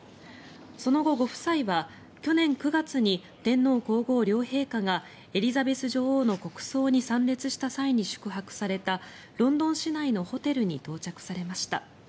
その後、ご夫妻は去年９月に天皇・皇后両陛下がエリザベス女王の国葬に参列した際に宿泊されたロンドン市内のホテルに到着されました。